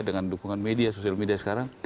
dengan dukungan media sosial media sekarang